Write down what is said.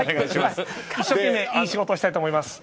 一生懸命いい仕事をしたいと思います。